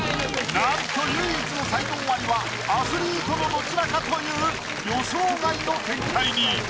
なんと唯一の才能アリはアスリートのどちらかという予想外の展開に！